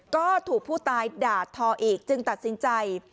ก็ถูกผู้ตายด่าทออีกจึงตัดสินใจ